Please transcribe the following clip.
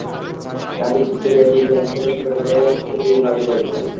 রাজা কি করিয়া যে ইহার শােধ তুলিবেন কিছুতেই ভাবিয়া পাইলেন না।